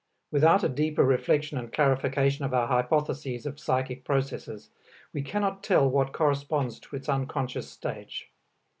Without a deeper reflection and clarification of our hypotheses of psychic processes, we cannot tell what corresponds to its unconscious stage.